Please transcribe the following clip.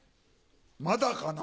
まだかな？